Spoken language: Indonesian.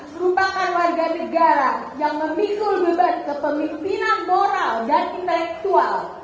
merupakan warga negara yang memikul beban kepemimpinan moral dan intelektual